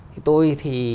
thì tôi thì